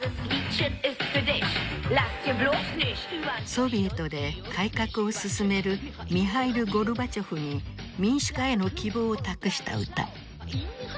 ソビエトで改革を進めるミハイル・ゴルバチョフに民主化への希望を託した歌。